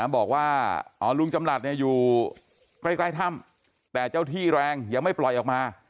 บอกว่าลุงจำหลัดอยู่ใกล้ถ้ำแต่เจ้าที่แรงยังไม่ปล่อยออกมา